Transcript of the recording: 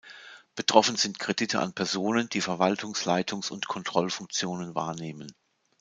Betroffen sind Kredite an Personen, die Verwaltungs-, Leitungs- und Kontrollfunktionen wahrnehmen.